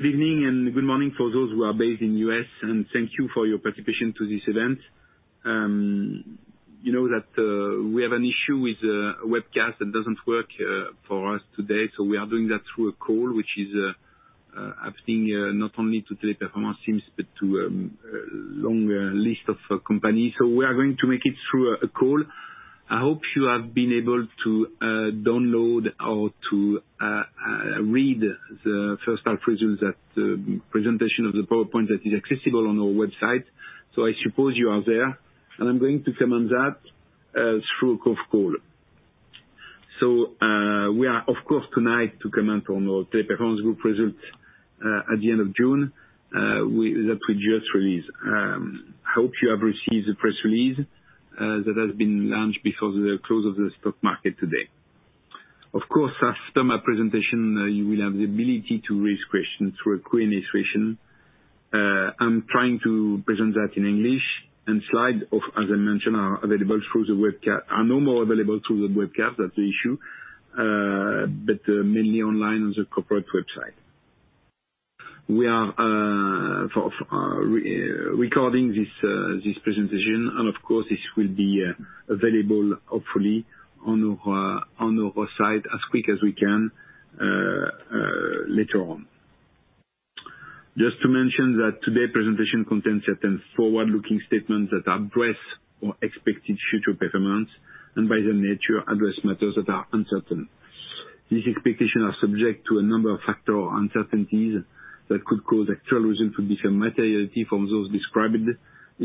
Good evening and good morning for those who are based in the U.S., and thank you for your participation to this event. You know that we have an issue with the webcast that doesn't work for us today. We are doing that through a call, which is affecting not only to Teleperformance teams, but to a long list of companies. We are going to make it through a call. I hope you have been able to download or to read the first half results that presentation of the PowerPoint that is accessible on our website. I suppose you are there. I'm going to comment that through a call. We are, of course, tonight to comment on our Teleperformance Group results at the end of June that we just released. I hope you have received the press release that has been launched before the close of the stock market today. Of course, after my presentation, you will have the ability to raise questions through a Q&A session. I'm trying to present that in English, and slides, as I mentioned, are available through the webcast. Are no more available through the webcast, that's the issue, but mainly online on the corporate website. We are recording this presentation, and of course, this will be available, hopefully, on our site as quick as we can later on. Just to mention that today presentation contains certain forward-looking statements that address our expected future performance and by the nature, address matters that are uncertain. These expectations are subject to a number of factor or uncertainties that could cause actual results to differ materially from those described in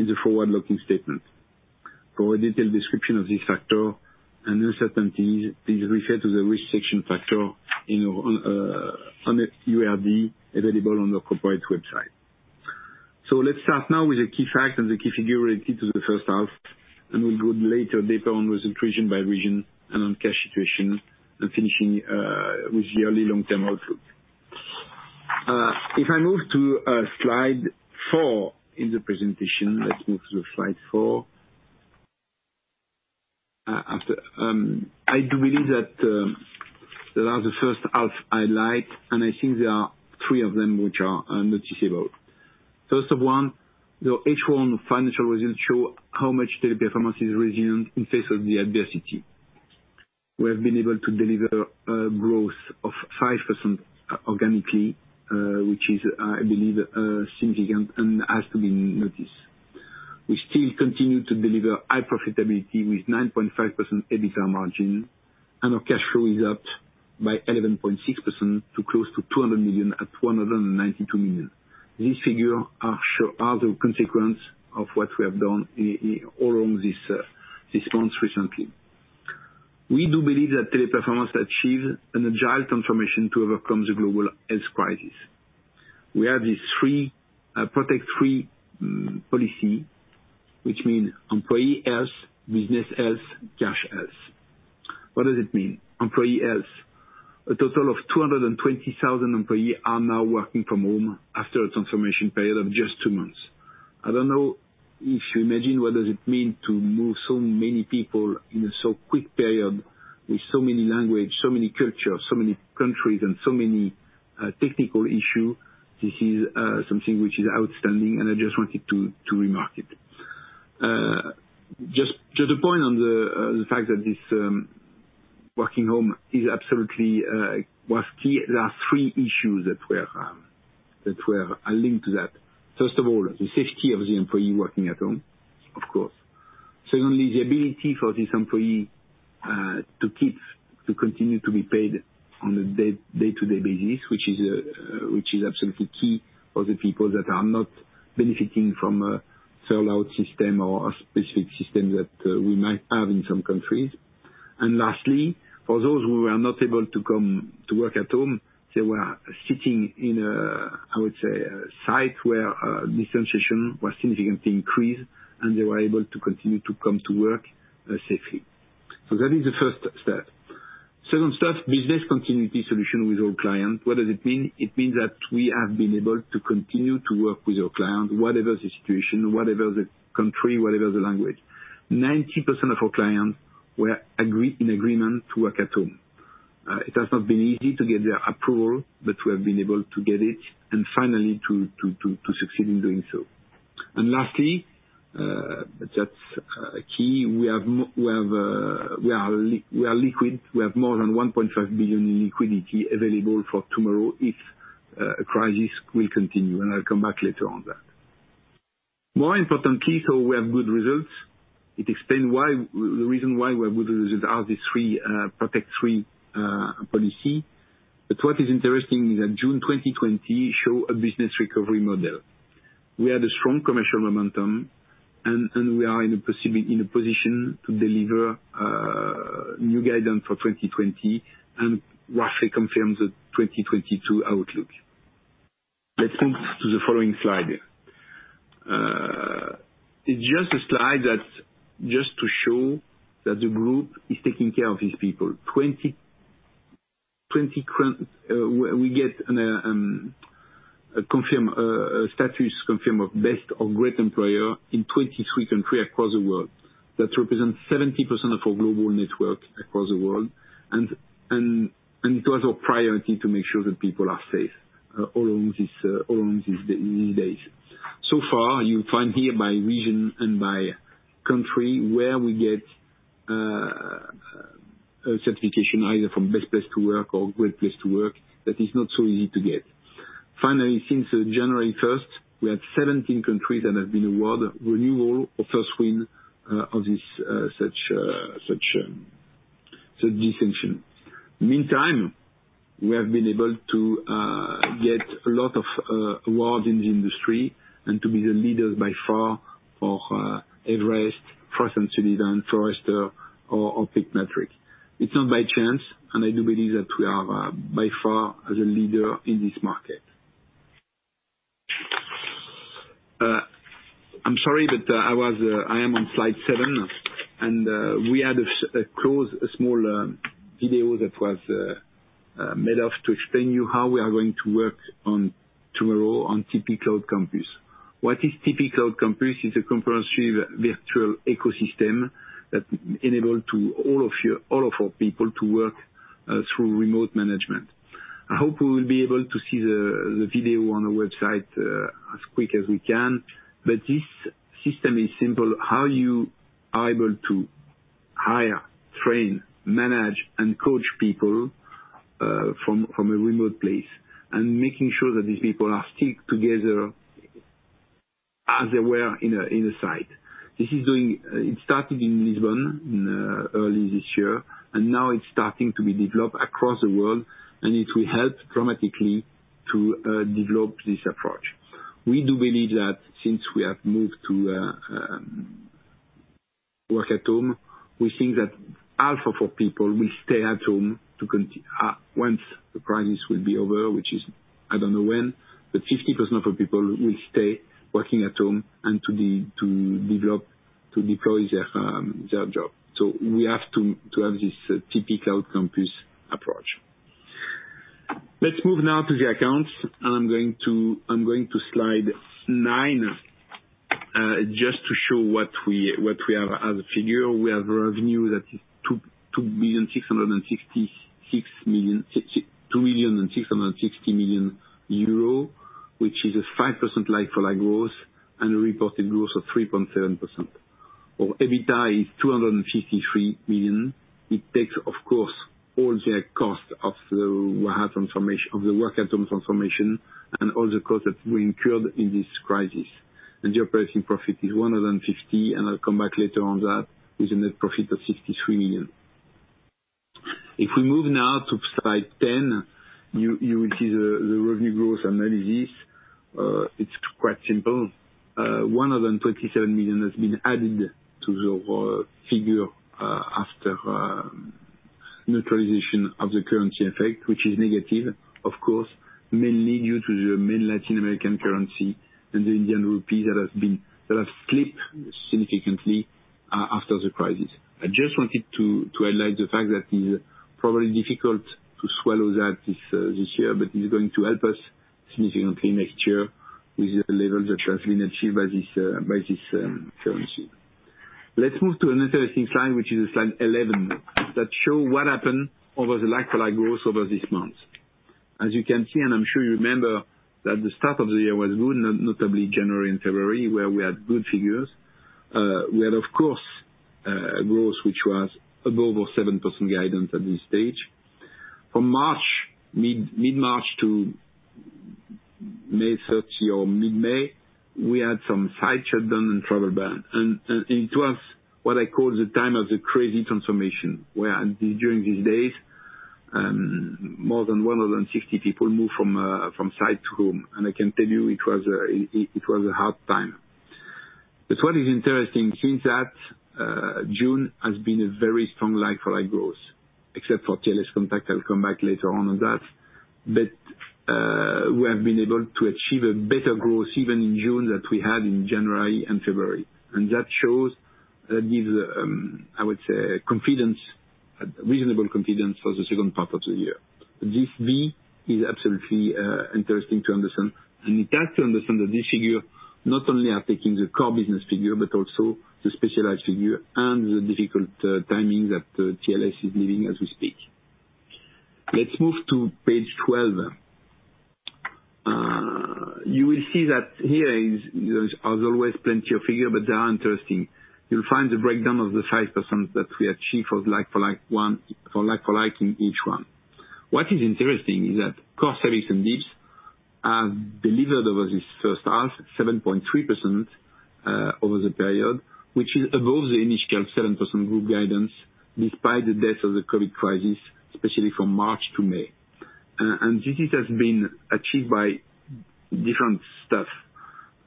the forward-looking statement. For a detailed description of these factor and uncertainties, please refer to the risk section factor on the URD available on the corporate website. Let's start now with the key facts and the key figures related to the first half, and we'll go later deeper on result region by region and on cash situation and finishing with yearly long-term outlook. If I move to slide four in the presentation, let's move to slide four. I do believe that there are the first half highlight, and I think there are three of them which are noticeable. First of all, the H1 financial results show how much Teleperformance has resilient in face of the adversity. We have been able to deliver a growth of 5% organically, which is, I believe, significant and has to be noticed. We still continue to deliver high profitability with 9.5% EBITDA margin, and our cash flow is up by 11.6% to close to 200 million at 292 million. These figures are the consequence of what we have done all along this month recently. We do believe that Teleperformance achieved an agile transformation to overcome the global health crisis. We have this Protect 3 policy, which mean employee health, business health, cash health. What does it mean? Employee health. A total of 220,000 employee are now working from home after a transformation period of just two months. I don't know if you imagine what does it mean to move so many people in a so quick period with so many language, so many cultures, so many countries, and so many technical issue. This is something which is outstanding, and I just wanted to remark it. Just to the point on the fact that this working home there are three issues that were linked to that. First of all, the safety of the employee working at home, of course. Secondly, the ability for this employee to continue to be paid on a day-to-day basis, which is absolutely key for the people that are not benefiting from a furloughed system or a specific system that we might have in some countries. Lastly, for those who were not able to come to work at home, they were sitting in a site where this transition was significantly increased, and they were able to continue to come to work safely. That is the first step. Second step, business continuity solution with our client. What does it mean? It means that we have been able to continue to work with our client, whatever the situation, whatever the country, whatever the language. 90% of our clients were in agreement to work at home. It has not been easy to get their approval, but we have been able to get it and finally to succeed in doing so. Lastly, that's key. We are liquid. We have more than 1.5 billion in liquidity available for tomorrow if a crisis will continue, and I'll come back later on that. More importantly, we have good results. It explain the reason why we have good results are the Protect 3 policy. What is interesting is that June 2020 show a business recovery model. We had a strong commercial momentum, and we are in a position to deliver new guidance for 2020 and roughly confirm the 2022 outlook. Let's move to the following slide. It's just a slide that's just to show that the group is taking care of its people. We get a status confirm of best or great employer in 23 country across the world. That represents 70% of our global network across the world. It was our priority to make sure that people are safe along these days. You find here by region and by country where we get a certification either from Best Places to Work or Great Place To Work, that is not so easy to get. Since January 1st, we had 17 countries that have been awarded renewal or first win of this distinction. We have been able to get a lot of awards in the industry and to be the leader by far for Everest, Frost & Sullivan, Forrester, or PI metric. It's not by chance. I do believe that we are by far the leader in this market. I am on slide seven. We had a small video that was made up to explain how we are going to work tomorrow on TP Cloud Campus. What is TP Cloud Campus? It's a comprehensive virtual ecosystem that enables all of our people to work through remote management. I hope we will be able to see the video on our website as quickly as we can. This system is simple. How are you able to hire, train, manage, and coach people from a remote place, making sure that these people are still together as they were in the site? It started in Lisbon early this year. Now it's starting to be developed across the world. It will help dramatically to develop this approach. We do believe that since we have moved to work at home, we think that half of our people will stay at home, once the crisis will be over, which is I don't know when, but 50% of people will stay working at home and to deploy their job. We have to have this TP Cloud Campus approach. Let's move now to the accounts. I'm going to slide nine, just to show what we have as a figure. We have revenue that is 2.66 billion euro, which is a 5% like-for-like growth and a reported growth of 3.7%. Our EBITA is 253 million. It takes, of course, all the cost of the work at home transformation and all the costs that we incurred in this crisis. The operating profit is 150 million, and I'll come back later on that, with a net profit of 63 million. If we move now to slide 10, you will see the revenue growth analysis. It's quite simple. 127 million has been added to the figure after neutralization of the currency effect, which is negative, of course, mainly due to the main Latin American currency and the Indian rupee that have slipped significantly after the crisis. I just wanted to highlight the fact that it's probably difficult to swallow that this year, but it's going to help us significantly next year with the levels that have been achieved by this currency. Let's move to an interesting slide, which is slide 11, that shows what happened over the like-for-like growth over these months. As you can see, and I'm sure you remember, that the start of the year was good, notably January and February, where we had good figures. We had, of course, growth which was above our 7% guidance at this stage. From mid-March to May 30 or mid-May, we had some site shutdown and travel ban, and it was what I call the time of the crazy transformation, where during these days, more than 160 people moved from site to home. I can tell you it was a hard time. What is interesting since that, June has been a very strong like-for-like growth, except for TLScontact, I'll come back later on on that. We have been able to achieve a better growth even in June than we had in January and February. That shows that gives, I would say, reasonable confidence for the second part of the year. This V is absolutely interesting to understand, and we have to understand that these figures not only are taking the core business figure, but also the specialized figure and the difficult timing that TLS is needing as we speak. Let's move to page 12. You will see that here is, as always, plenty of figures, but they are interesting. You'll find the breakdown of the 5% that we achieved for like-for-like in each one. What is interesting is that Core Services and D.I.B.S. have delivered over this first half 7.3% over the period, which is above the initial 7% group guidance despite the depth of the COVID crisis, especially from March to May. This has been achieved by different stuff.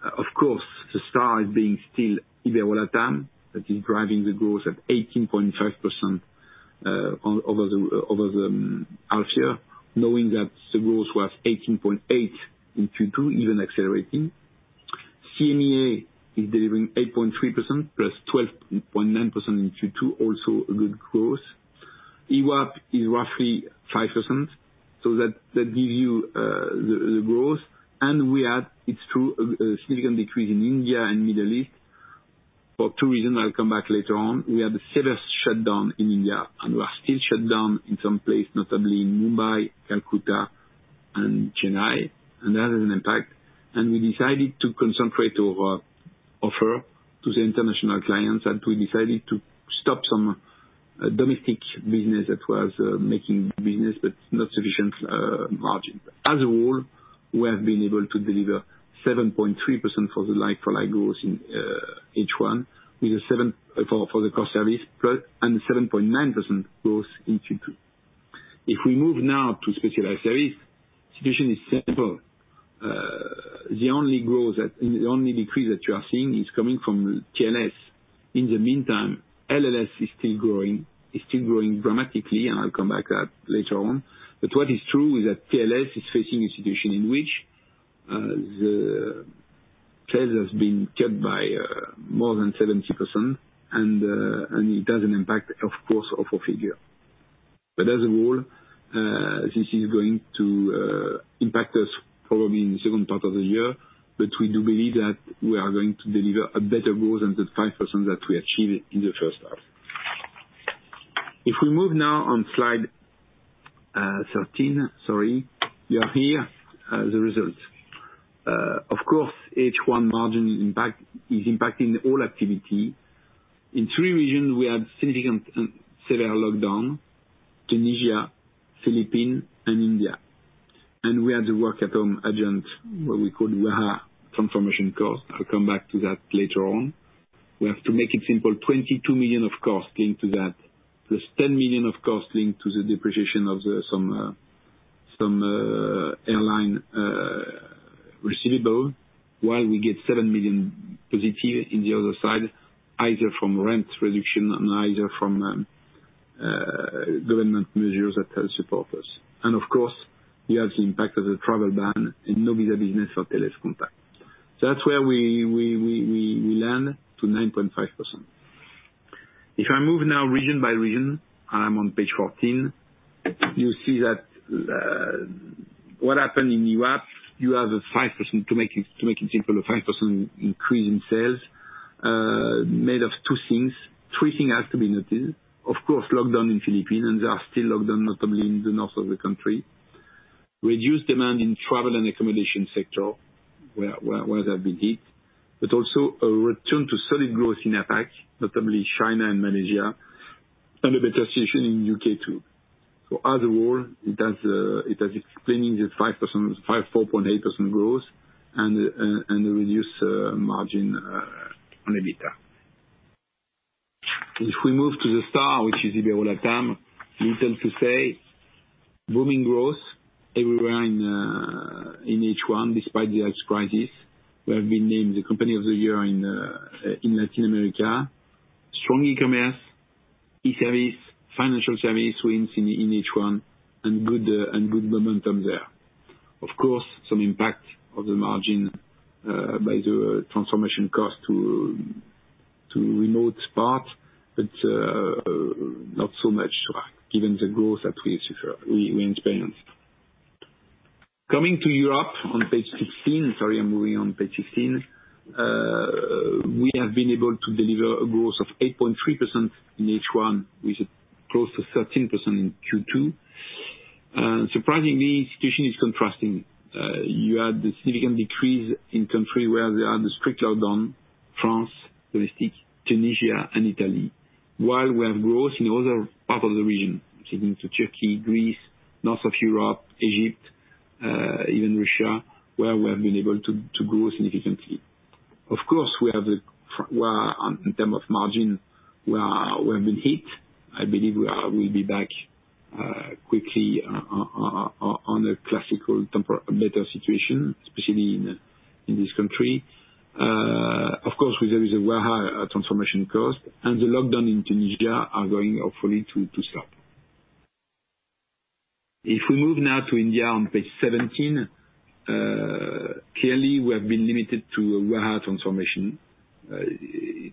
Of course, the star is being still Ibero-LATAM, that is driving the growth at 18.5% over the half year, knowing that the growth was 18.8% in Q2, even accelerating. CEMEA is delivering 8.3%+2.9% in Q2, also a good growth. EWAP is roughly 5%. That gives you the growth. We had, it's true, a significant decrease in India and Middle East, for two reasons I'll come back later on. We had a serious shutdown in India, and we are still shut down in some places, notably in Mumbai, Calcutta, and Chennai, and that has an impact. We decided to concentrate our offer to the international clients, and we decided to stop some domestic business that was making business, but not sufficient margin. As a whole, we have been able to deliver 7.3% for the like-for-like growth in H1 for the Core Service, and 7.9% growth in Q2. We move now to specialized service, situation is simple. The only decrease that you are seeing is coming from TLS. In the meantime, LLS is still growing dramatically, and I'll come back to that later on. What is true is that TLS is facing a situation in which the trade has been cut by more than 70%, and it has an impact, of course, of our figure. As a whole, this is going to impact us probably in the second part of the year. We do believe that we are going to deliver a better growth than the 5% that we achieved in the first half. We move now on slide 13, sorry. We are here, the results. Of course, H1 margin is impacting all activity. In three regions we had significant severe lockdown, Tunisia, Philippines, and India. We had the work at home agent, what we call WAH transformation cost. I'll come back to that later on. We have to make it simple, 22 million of cost linked to that, plus 10 million of cost linked to the depreciation of some airline receivable, while we get 7 million positive in the other side, either from rent reduction and either from government measures that help support us. Of course, we have the impact of the travel ban and no visa business for Teleperformance. That's where we land to 9.5%. If I move now region by region, I'm on page 14. You see that what happened in EWAP, you have a 5%, to make it simple, a 5% increase in sales, made of two things. Three things has to be noted. Of course, lockdown in Philippines, and they are still locked down, notably in the north of the country. Reduced demand in travel and accommodation sector, where that did hit. A return to solid growth in APAC, notably China and Malaysia, and a better situation in U.K. too. As a whole, it has explained this 5%, 5.8% growth and a reduced margin on EBITDA. If we move to the Star, which is Ibero-LATAM, little to say. Booming growth everywhere in H1, despite the health crisis. We have been named the company of the year in Latin America. Strong e-commerce, e-service, financial service wins in H1, and good momentum there. Of course, some impact of the margin by the transformation cost to remote spot, but not so much to us, given the growth that we experienced. Coming to Europe on page 16, sorry, I'm moving on. Page 16. We have been able to deliver a growth of 8.3% in H1, with close to 13% in Q2. Surprisingly, situation is contrasting. You have the significant decrease in countries where there are the strict lockdown, France, Baltics, Tunisia and Italy. While we have growth in other parts of the region, say into Turkey, Greece, north of Europe, Egypt, even Russia, where we have been able to grow significantly. Of course, in terms of margin, we have been hit. I believe we will be back quickly, on a classical, better situation, especially in this country. Of course, there is a way higher transformation cost. The lockdown in Tunisia is going hopefully to stop. If we move now to India on page 17, clearly we have been limited to a WAH transformation. It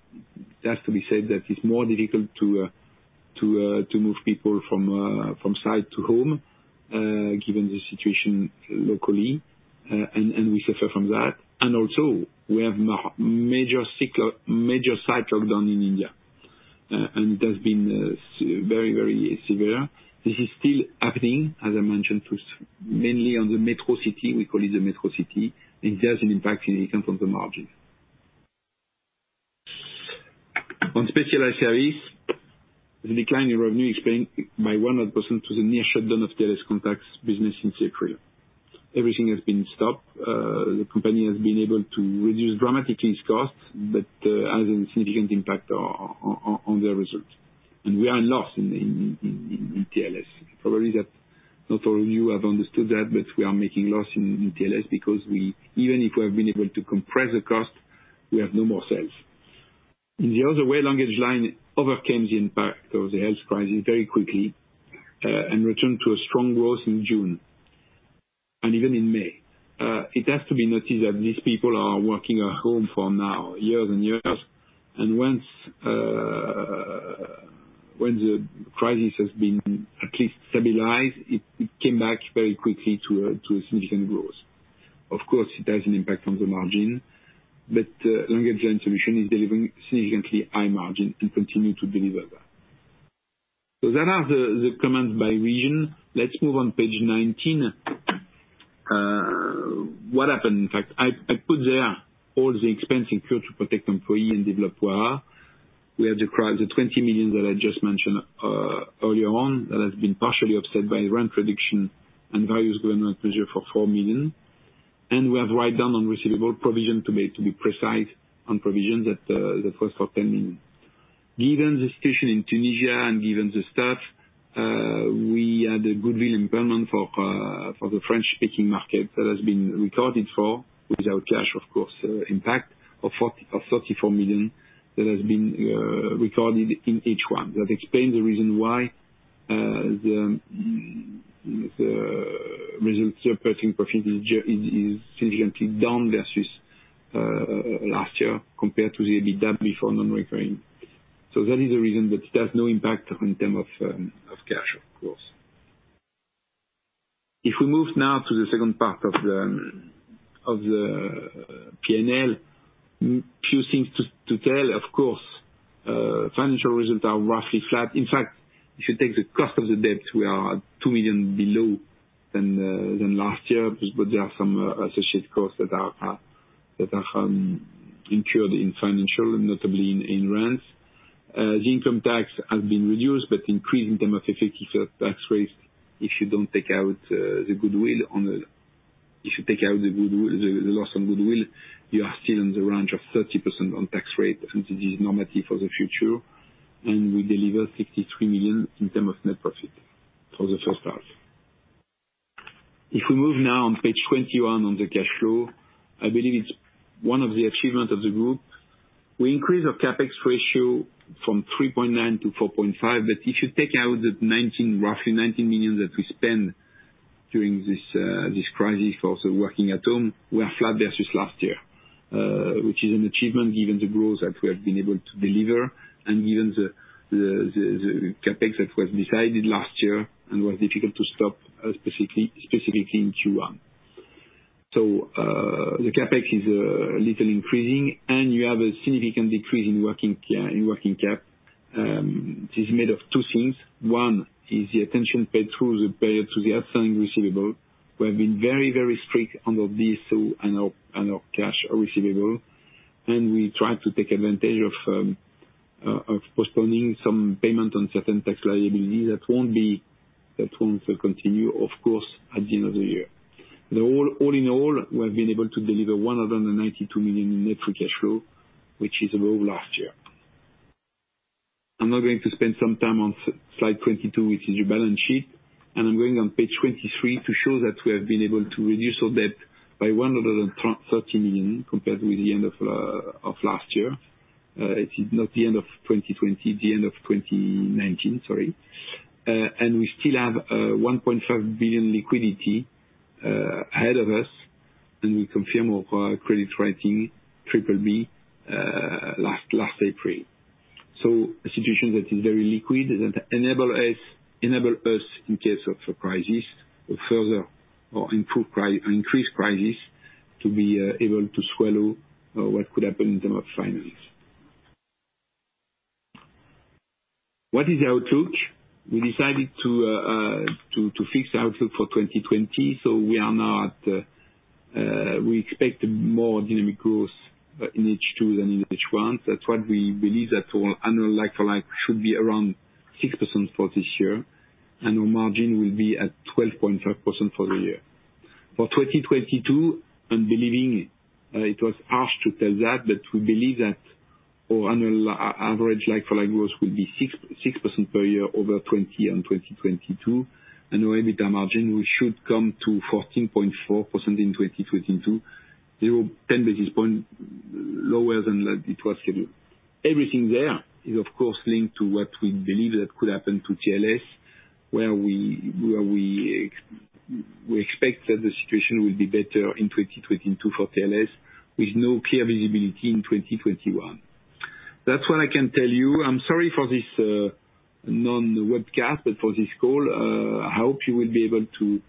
has to be said that it's more difficult to move people from site to home, given the situation locally, and we suffer from that. Also we have major site lockdown in India. It has been very severe. This is still happening, as I mentioned, mainly on the metro city, we call it the metro city. It has an impact in account on the margin. On specialized service, the decline in revenue explained by 100% to the near shutdown of TLScontact's business in Ukraine. Everything has been stopped. The company has been able to reduce dramatically its costs, but has a significant impact on their results. We are loss in TLS. Probably not all of you have understood that, but we are making loss in TLS because even if we have been able to compress the cost, we have no more sales. LanguageLine overcame the impact of the health crisis very quickly, returned to a strong growth in June. Even in May. It has to be noted that these people are working at home for now, years and years. Once the crisis has been at least stabilized, it came back very quickly to a significant growth. Of course, it has an impact on the margin, but LanguageLine Solutions is delivering significantly high margin and continue to deliver that. That is the comments by region. Let's move on, page 19. What happened? In fact, I put there all the expense incurred to protect employee. We have the 20 million that I just mentioned earlier on, that has been partially offset by rent reduction and various government measures for 4 million. We have write-down on receivable provision to be precise, on provision, that was for 10 million. Given the situation in Tunisia and given the staff, we had a goodwill impairment for the French-speaking market that has been recorded for, without cash, of course, impact of 34 million that has been recorded in H1. That explains the reason why the results operating profit is significantly down versus last year compared to the EBITDA before non-recurring. That is the reason, but it has no impact in term of cash, of course. If we move now to the second part of the P&L, few things to tell, of course. Financial results are roughly flat. In fact, if you take the cost of the debt, we are 2 million below than last year. There are some associated costs that are incurred in financial and notably in rents. The income tax has been reduced, but increased in terms of effective tax rates. If you take out the loss on goodwill, you are still in the range of 30% on tax rate, and this is normative for the future, and we deliver 53 million in terms of net profit for the first half. If we move now on page 21 on the cash flow, I believe it's one of the achievements of the group. We increase our CapEx ratio from 3.9 to 4.5. If you take out roughly 19 million that we spend during this crisis, also working at home, we are flat versus last year, which is an achievement given the growth that we have been able to deliver and given the CapEx that was decided last year and was difficult to stop, specifically in Q1. The CapEx is a little increasing, and you have a significant decrease in working cap. This is made of two things. One is the attention paid through the payer to the outstanding receivable. We have been very strict on our debt, so I know cash are receivable. We try to take advantage of postponing some payment on certain tax liability. That won't continue, of course, at the end of the year. All in all, we have been able to deliver 192 million in net free cash flow, which is above last year. I'm now going to spend some time on slide 22, which is your balance sheet, and I'm going on page 23 to show that we have been able to reduce our debt by 130 million compared with the end of last year. It is not the end of 2020, the end of 2019, sorry. We still have 1.5 billion liquidity ahead of us, we confirm our credit rating BBB last April. A situation that is very liquid, that enable us in case of a crisis or increased crisis, to be able to swallow what could happen in term of finance. What is our outlook? We decided to fix the outlook for 2020. We expect more dynamic growth in H2 than in H1. That's what we believe that our annual like-for-like should be around 6% for this year, and our margin will be at 12.5% for the year. For 2022, I'm believing it was harsh to tell that, but we believe that our annual average like-for-like growth will be 6% per year over 2020 and 2022. Our EBITDA margin, we should come to 14.4% in 2022, 10 basis point lower than it was scheduled. Everything there is, of course, linked to what we believe that could happen to TLS, where we expect that the situation will be better in 2022 for TLS, with no clear visibility in 2021. That's what I can tell you. I'm sorry for this non-webcast, but for this call. I hope you will be able to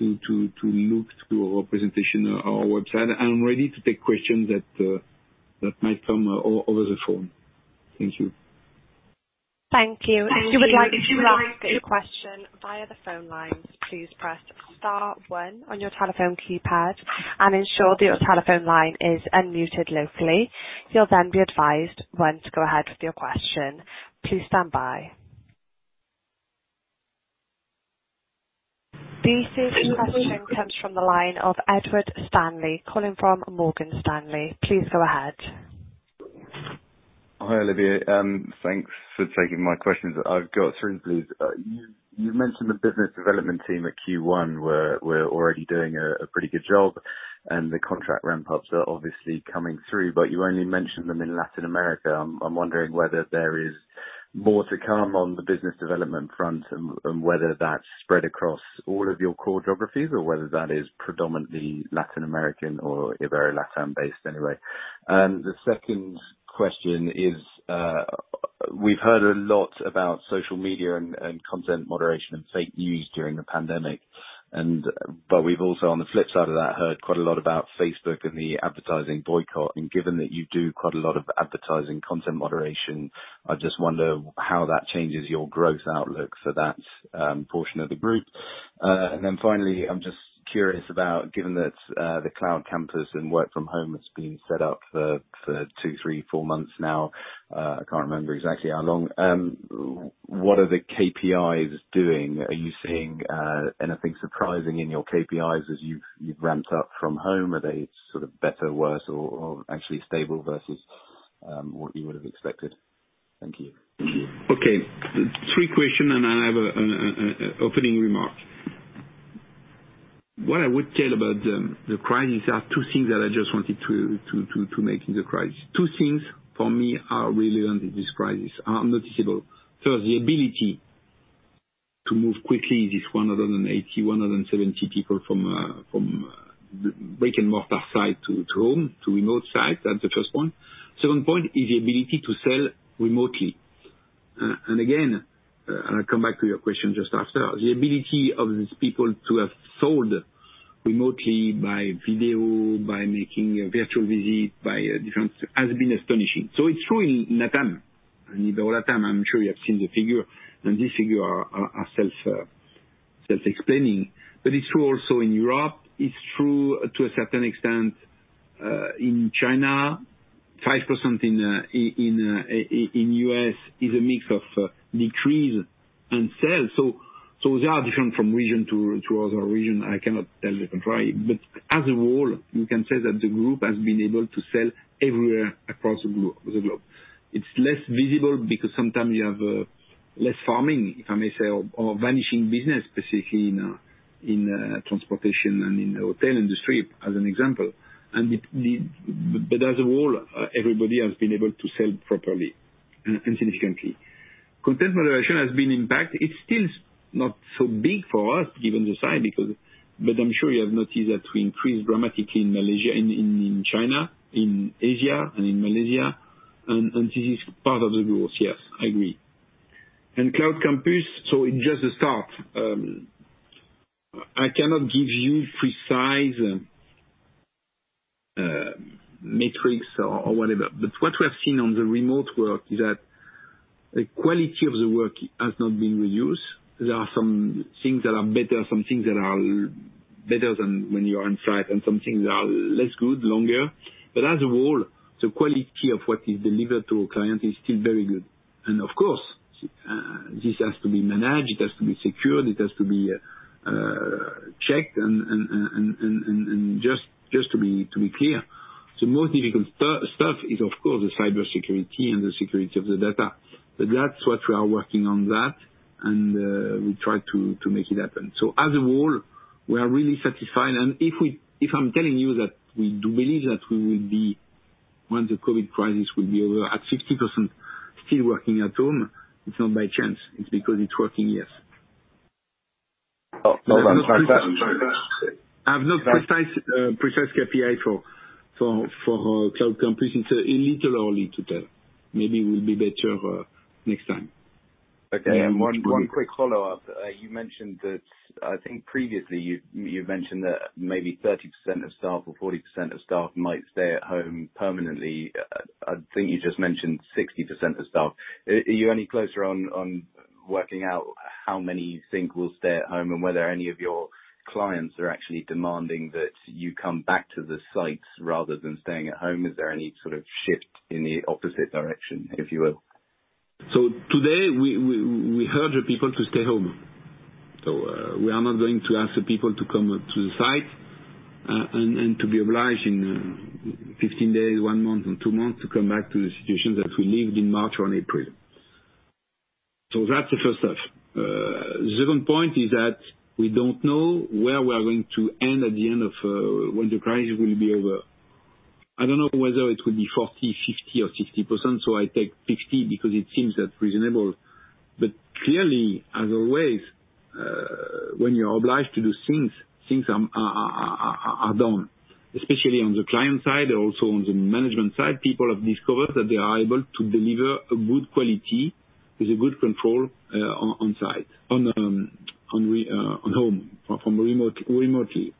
look to our presentation on our website. I'm ready to take questions that might come over the phone. Thank you. Thank you. If you would like to ask a question via the phone lines, please press star one on your telephone keypad and ensure that your telephone line is unmuted locally. You'll then be advised when to go ahead with your question. Please stand by. The first question comes from the line of Edward Stanley, calling from Morgan Stanley. Please go ahead. Hi, Olivier. Thanks for taking my questions. I've got three, please. You've mentioned the business development team at Q1 were already doing a pretty good job, and the contract ramp-ups are obviously coming through, but you only mentioned them in Latin America. I'm wondering whether there is. More to come on the business development front and whether that's spread across all of your core geographies or whether that is predominantly Latin American or Ibero-LATAM based, anyway. The second question is, we've heard a lot about social media and content moderation and fake news during the pandemic. We've also, on the flip side of that, heard quite a lot about Facebook and the advertising boycott. Given that you do quite a lot of advertising content moderation, I just wonder how that changes your growth outlook for that portion of the group. Finally, I'm just curious about, given that the Cloud Campus and work from home has been set up for two, three, four months now, I can't remember exactly how long. What are the KPIs doing? Are you seeing anything surprising in your KPIs as you've ramped up from home? Are they sort of better, worse, or actually stable versus what you would have expected? Thank you. Okay. Three question. I have an opening remark. What I would tell about the crisis are two things that I just wanted to make in the crisis. Two things for me are relevant in this crisis, are noticeable. First, the ability to move quickly in this 180, 170 people from brick and mortar site to home, to remote site. That's the first point. Second point is the ability to sell remotely. Again, I come back to your question just after. The ability of these people to have sold remotely by video, by making a virtual visit, by different, has been astonishing. It's true in LATAM and Ibero-LATAM, I'm sure you have seen the figure. This figure are self-explaining. It's true also in Europe, it's true to a certain extent in China. 5% in U.S. is a mix of decrease and sales. They are different from region to another region. I cannot tell the contrary. As a whole, you can say that the group has been able to sell everywhere across the globe. It's less visible because sometimes you have less firming, if I may say, or vanishing business, specifically in transportation and in the hotel industry, as an example. As a whole, everybody has been able to sell properly and significantly. Content moderation has been impact. It's still not so big for us given the size, but I'm sure you have noticed that we increased dramatically in China, in Asia, and in Malaysia. This is part of the growth. Yes, I agree. TP Cloud Campus, it's just a start. I cannot give you precise metrics or whatever, but what we have seen on the remote work is that the quality of the work has not been reduced. There are some things that are better, some things that are better than when you are on site, and some things that are less good, longer. As a whole, the quality of what is delivered to our client is still very good. Of course, this has to be managed, it has to be secured, it has to be checked. Just to be clear, the most difficult stuff is of course the cybersecurity and the security of the data. That's what we are working on that, and we try to make it happen. As a whole, we are really satisfied. If I'm telling you that we do believe that we will be, when the COVID crisis will be over, at 60% still working at home, it's not by chance. It's because it's working, yes. Oh, well done. I have no precise KPI for cloud campus. It's a little early to tell. Maybe we'll be better next time. Okay. One quick follow-up. You mentioned that, I think previously, you mentioned that maybe 30% of staff or 40% of staff might stay at home permanently. I think you just mentioned 60% of staff. Are you any closer on working out how many you think will stay at home and whether any of your clients are actually demanding that you come back to the sites rather than staying at home? Is there any sort of shift in the opposite direction, if you will? Today, we urge the people to stay home. We are not going to ask the people to come to the site, and to be obliged in 15 days, one month, and two months to come back to the situation that we lived in March or in April. That's the first step. Second point is that we don't know where we are going to end at the end of when the crisis will be over. I don't know whether it will be 40%, 50%, or 60%, so I take 50% because it seems reasonable. Clearly, as always, when you're obliged to do things are done. Especially on the client side, also on the management side, people have discovered that they are able to deliver a good quality with a good control on site, on home, from remotely.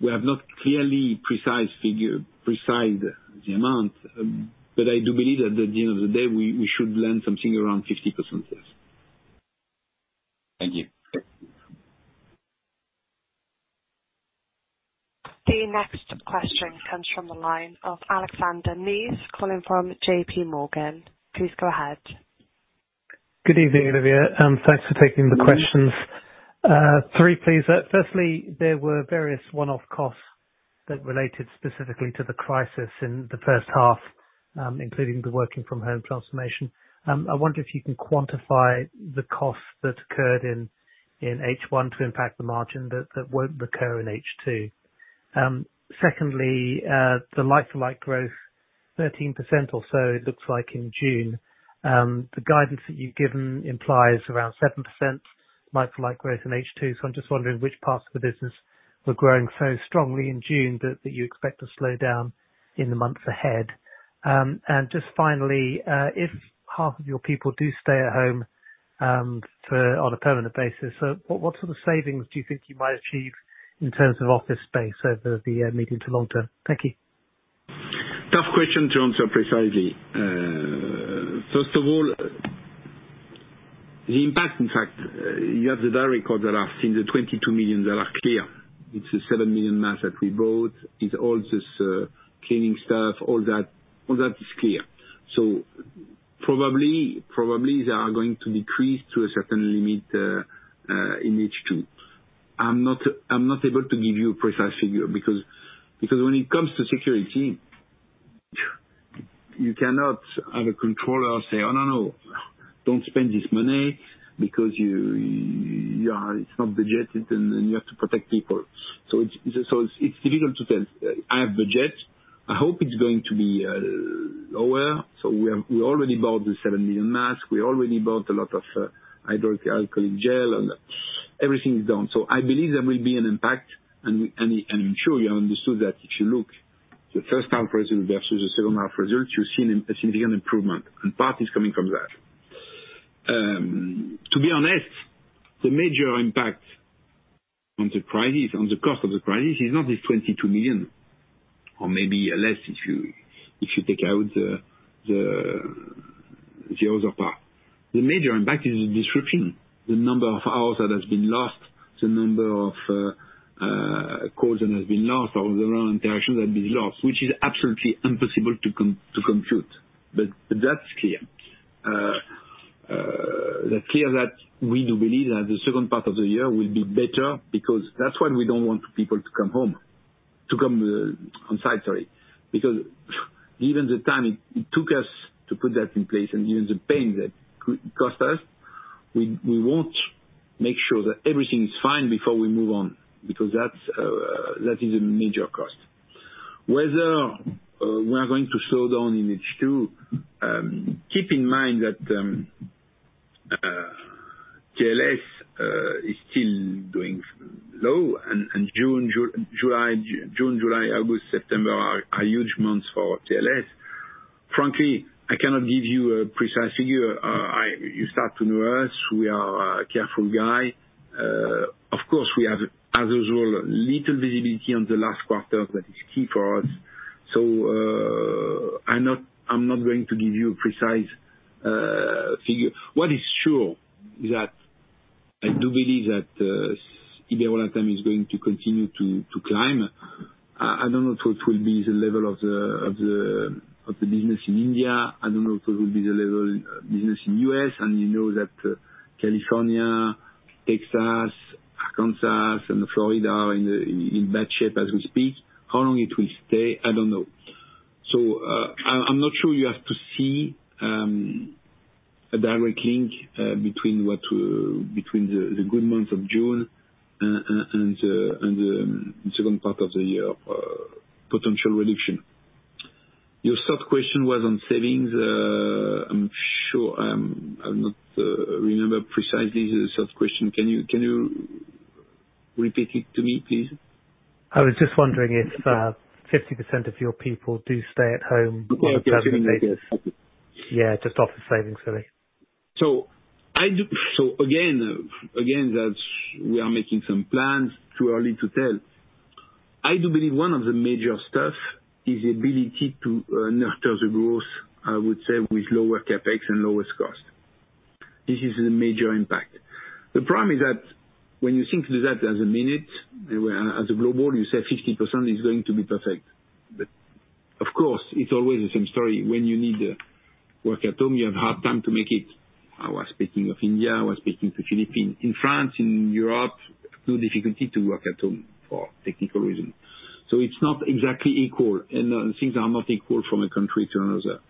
We have not clearly precise figure, precise the amount. I do believe at the end of the day, we should land something around 50% sales. Thank you. Okay. The next question comes from the line of Alexander Mees calling from JPMorgan. Please go ahead. Good evening, Olivier. Thanks for taking the questions. Three, please. Firstly, there were various one-off costs that related specifically to the crisis in the first half, including the working from home transformation. I wonder if you can quantify the costs that occurred in H1 to impact the margin that won't recur in H2. Secondly, the like-for-like growth, 13% or so it looks like in June. The guidance that you've given implies around 7% like-for-like growth in H2. I'm just wondering which parts of the business were growing so strongly in June that you expect to slow down in the months ahead. Just finally, if half of your people do stay at home on a permanent basis, so what sort of savings do you think you might achieve in terms of office space over the medium to long term? Thank you. Tough question to answer precisely. First of all, the impact, in fact, you have the very core that are in the 22 million that are clear. It's the 7 million masks that we bought, it's all this cleaning stuff, all that is clear. Probably they are going to decrease to a certain limit in H2. I'm not able to give you a precise figure, because when it comes to security, you cannot have a controller say, "Oh, no, don't spend this money," because it's not budgeted and you have to protect people. It's difficult to tell. I have budget, I hope it's going to be lower. We already bought the 7 million masks, we already bought a lot of hydroalcoholic gel, and everything is done. I believe there will be an impact and I'm sure you understood that if you look the first half results versus the second half results, you see a significant improvement, and part is coming from that. To be honest, the major impact on the crisis, on the cost of the crisis, is not this 22 million, or maybe less if you take out the other part. The major impact is the disruption, the number of hours that has been lost, the number of calls that have been lost or the wrong interactions that have been lost, which is absolutely impossible to compute. That's clear. It's clear that we do believe that the second part of the year will be better because that's why we don't want people to come on site. Given the time it took us to put that in place and given the pain that cost us, we want to make sure that everything is fine before we move on, because that is a major cost. We are going to slow down in H2, keep in mind that TLS is still doing low, and June, July, August, September are huge months for TLS. Frankly, I cannot give you a precise figure. You start to know us. We are a careful guy. Of course, we have, as usual, little visibility on the last quarter that is key for us. I'm not going to give you a precise figure. What is sure is that I do believe that overall time is going to continue to climb. I don't know what will be the level of the business in India. I don't know what will be the level of business in U.S. You know that California, Texas, Arkansas, and Florida are in bad shape as we speak. How long it will stay, I don't know. I'm not sure you have to see a direct link between the good month of June and the second part of the year potential reduction. Your third question was on savings. I'm sure I will not remember precisely the third question. Can you repeat it to me, please? I was just wondering if 50% of your people do stay at home on a permanent basis? Yeah. Yeah, just office savings, sorry. Again, we are making some plans. Too early to tell. I do believe one of the major stuff is the ability to nurture the growth, I would say, with lower CapEx and lowest cost. This is the major impact. The problem is that when you think that as a minute, as a global, you say 50% is going to be perfect. Of course, it's always the same story. When you need to work at home, you have hard time to make it. I was speaking of India, I was speaking to Philippine. In France, in Europe, too difficulty to work at home for technical reason. It's not exactly equal, and things are not equal from a country to another.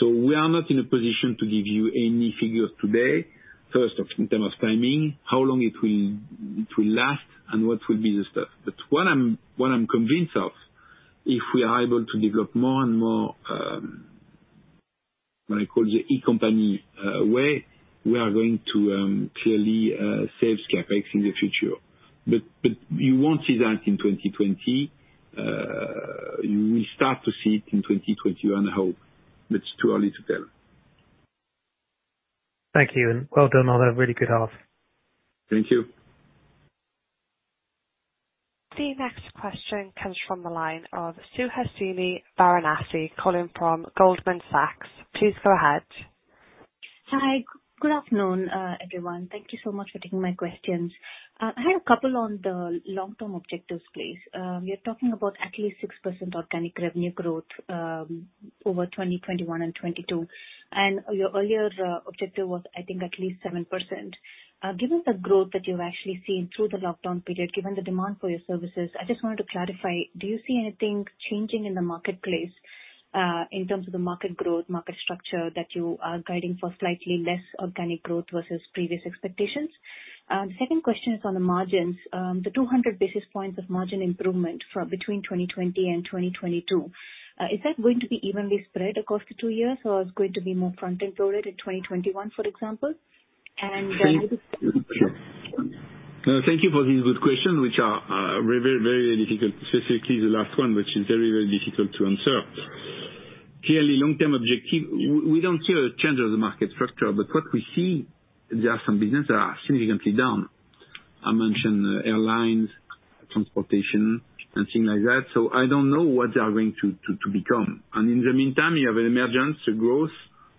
We are not in a position to give you any figures today. First, in term of timing, how long it will last and what will be the stuff. What I'm convinced of, if we are able to develop more and more, what I call the e-company way, we are going to clearly save CapEx in the future. You won't see that in 2020. We start to see it in 2021, I hope, but it's too early to tell. Thank you, and well done on a really good half. Thank you. The next question comes from the line of Suhasini Varanasi calling from Goldman Sachs. Please go ahead. Hi. Good afternoon, everyone. Thank you so much for taking my questions. I have a couple on the long-term objectives, please. You're talking about at least 6% organic revenue growth, over 2021 and 2022, and your earlier objective was, I think, at least 7%. Given the growth that you've actually seen through the lockdown period, given the demand for your services, I just wanted to clarify, do you see anything changing in the marketplace? In terms of the market growth, market structure, that you are guiding for slightly less organic growth versus previous expectations. Second question is on the margins. The 200 basis points of margin improvement between 2020 and 2022, is that going to be evenly spread across the two years, or is it going to be more front-end loaded in 2021, for example? Thank you for these good questions, which are very difficult, specifically the last one, which is very difficult to answer. Clearly, long-term objective, we don't see a change of the market structure, but what we see, there are some businesses that are significantly down. I mentioned airlines, transportation, and things like that, so I don't know what they are going to become. In the meantime, you have an emergence, a growth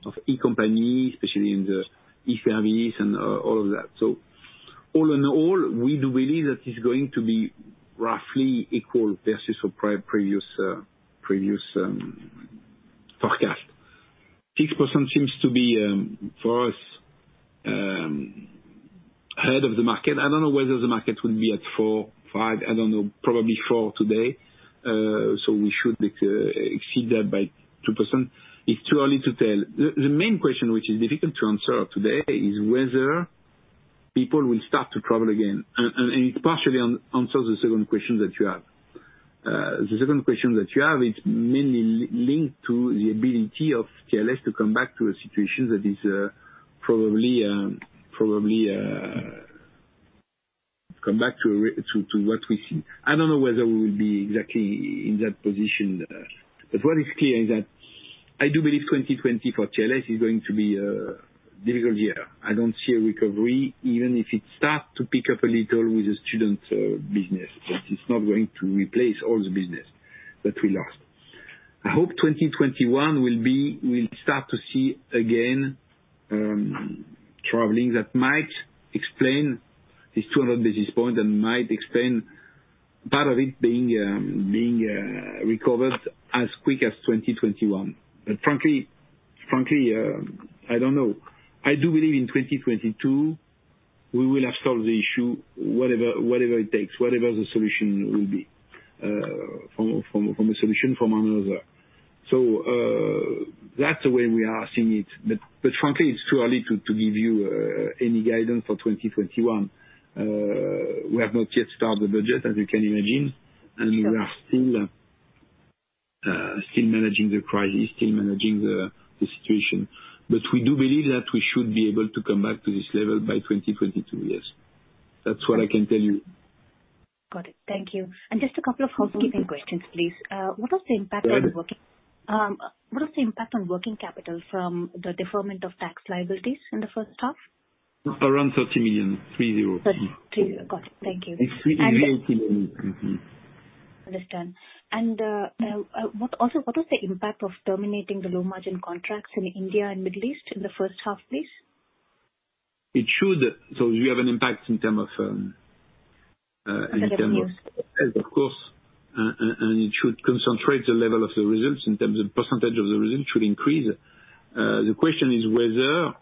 of e-company, especially in the e-services and all of that. All in all, we do believe that it's going to be roughly equal versus our previous forecast. 6% seems to be, for us, ahead of the market. I don't know whether the market will be at 4%, 5%. I don't know, probably 4% today, so we should exceed that by 2%. It's too early to tell. The main question, which is difficult to answer today, is whether people will start to travel again. It partially answers the second question that you have. The second question that you have is mainly linked to the ability of TLScontact to come back to a situation that is probably, come back to what we see. I don't know whether we will be exactly in that position. What is clear is that I do believe 2020 for TLScontact is going to be a difficult year. I don't see a recovery, even if it starts to pick up a little with the student business. It's not going to replace all the business that we lost. I hope 2021 we'll start to see again, traveling that might explain this 200 basis point and might explain part of it being recovered as quick as 2021. Frankly, I don't know. I do believe in 2022, we will have solved the issue, whatever it takes, whatever the solution will be. From a solution from another. That's the way we are seeing it. Frankly, it's too early to give you any guidance for 2021. We have not yet started the budget, as you can imagine, and we are still managing the crisis, still managing the situation. We do believe that we should be able to come back to this level by 2022, yes. That's what I can tell you. Got it. Thank you. Just a couple of housekeeping questions, please. Yes. What is the impact on working capital from the deferment of tax liabilities in the first half? Around 30 million, three zero. Got it. Thank you. It's 30 million. Mm-hmm. Understand. Also, what is the impact of terminating the low-margin contracts in India and Middle East in the first half, please? We have an impact. In terms of yes In terms of course, it should concentrate the level of the results in terms of percentage of the results should increase. The question is whether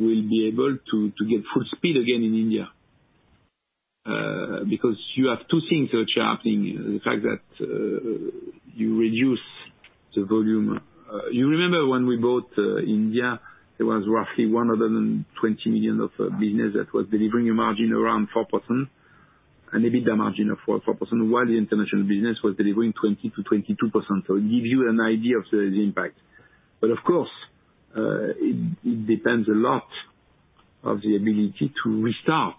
we will be able to get full speed again in India. You have two things which are happening. The fact that you reduce the volume. You remember when we bought India, it was roughly 120 million of business that was delivering a margin around 4%, and EBITDA margin of 4%, while the international business was delivering 20%-22%. It gives you an idea of the impact. Of course, it depends a lot of the ability to restart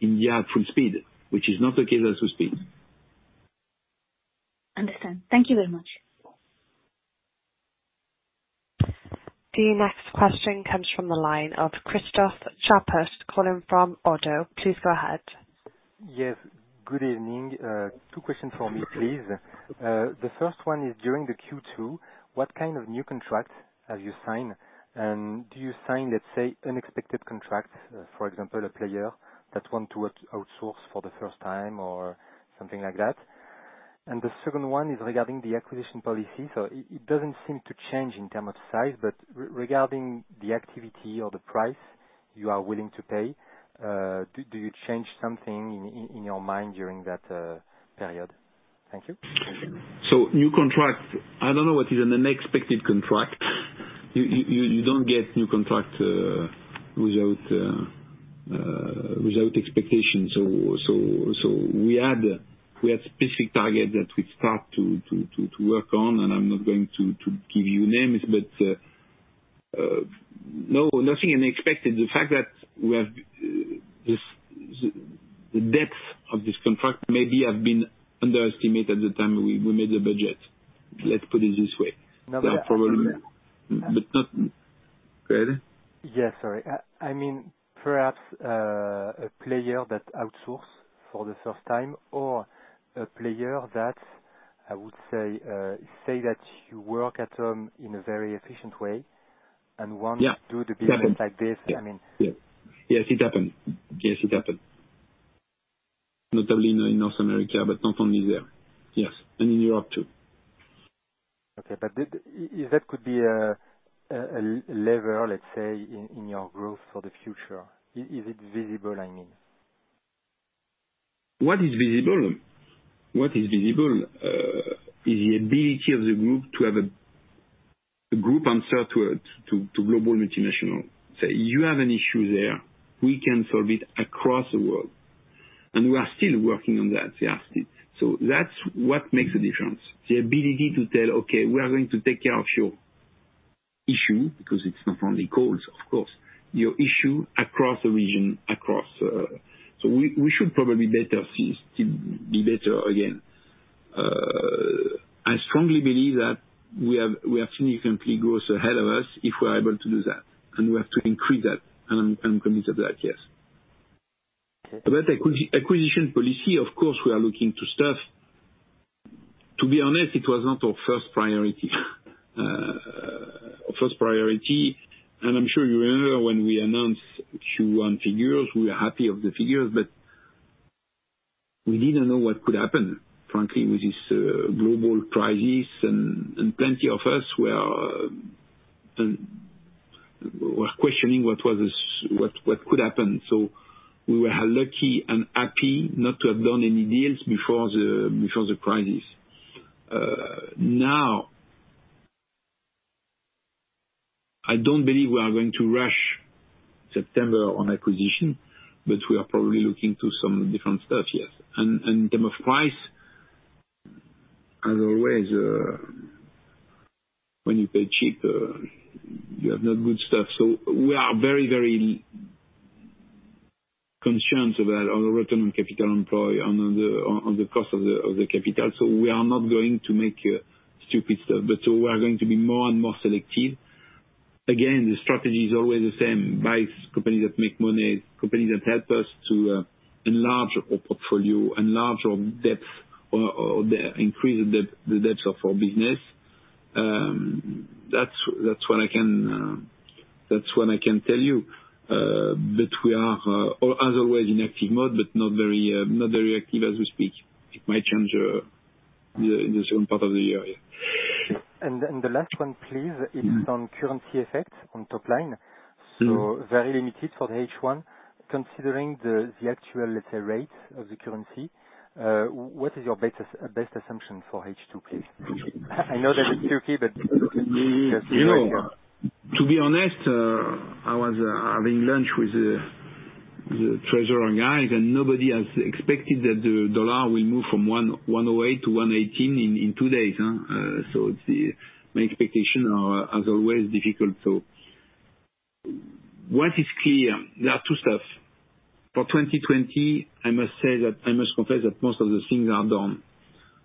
India at full speed, which is not the case at full speed. Understand. Thank you very much. The next question comes from the line of Christophe Chaput, calling from Oddo. Please go ahead. Yes. Good evening. Two questions from me, please. The first one is, during the Q2, what kind of new contracts have you signed, and do you sign, let's say, unexpected contracts, for example, a player that want to outsource for the first time or something like that? The second one is regarding the acquisition policy. It doesn't seem to change in term of size, but regarding the activity or the price you are willing to pay, do you change something in your mind during that period? Thank you. New contract, I don't know what is an unexpected contract. You don't get new contract without expectations. We had specific targets that we start to work on, and I'm not going to give you names, but nothing unexpected. The fact that we have the depth of this contract maybe have been underestimated at the time we made the budget. Let's put it this way. No. Yeah. Go ahead. Yeah, sorry. I mean, perhaps a player that outsource for the first time, or a player that, I would say, that you work at home in a very efficient way. Yeah Do the business like this. Yes, it happened. Notably in North America, but not only there. Yes, in Europe, too. Okay. If that could be a lever, let's say, in your growth for the future, is it visible? What is visible is the ability of the group to have a group answer to global multinational. Say you have an issue there, we can solve it across the world, and we are still working on that. That's what makes a difference. The ability to tell, okay, we are going to take care of your issue, because it's not only calls, of course, your issue across the region. We should probably be better soon, be better again. I strongly believe that we have significant growth ahead of us if we're able to do that, and we have to increase that. I'm committed to that, yes. About acquisition policy, of course, we are looking to staff. To be honest, it was not our first priority. Our first priority, and I'm sure you remember when we announced Q1 figures, we were happy of the figures, but we didn't know what could happen, frankly, with this global crisis, and plenty of us were questioning what could happen. We were lucky and happy not to have done any deals before the crisis. Now, I don't believe we are going to rush September on acquisition, but we are probably looking to some different stuff, yes. In term of price, as always, when you pay cheap, you have not good stuff. We are very, very concerned about our return on capital employ, on the cost of the capital. We are not going to make stupid stuff. We are going to be more and more selective. Again, the strategy is always the same. Buy companies that make money, companies that help us to enlarge our portfolio, enlarge our depth, or increase the depth of our business. That's what I can tell you. We are, as always, in active mode, but not very active as we speak. It might change in the second part of the year. The last one, please, is on currency effect on top line. Very limited for the H1. Considering the actual, let's say, rate of the currency, what is your best assumption for H2, please? I know that it's tricky, just so we know. To be honest, I was having lunch with the treasurer guy, and nobody has expected that the dollar will move from 108 to 118 in two days. My expectation are, as always, difficult. What is clear, there are two stuff. For 2020, I must confess that most of the things are done.